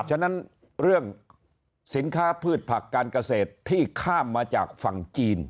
ฉะนั้นเรื่องสินค้าพืชผักการเกษตรที่ข้ามมาจากฝั่งจีน